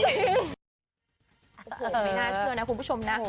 ไม่น่าเชื่อนะคุณผู้ชมนะ